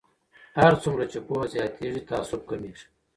هر څومره چې پوهه زیاتیږي تعصب کمیږي.